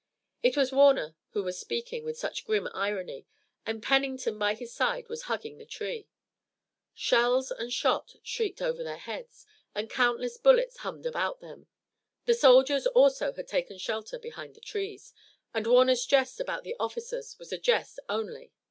It was Warner who was speaking with such grim irony, and Pennington by his side was hugging the tree. Shells and shot shrieked over their heads and countless bullets hummed about them. The soldiers also had taken shelter behind the trees, and Warner's jest about the officers was a jest only.